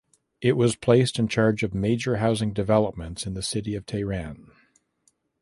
It was placed in charge of major housing developments in the city of Tehran.